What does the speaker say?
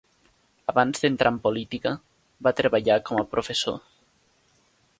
Abans d'entrar en política, va treballar com a professor.